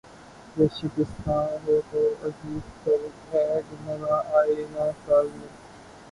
کہ شکستہ ہو تو عزیز تر ہے نگاہ آئنہ ساز میں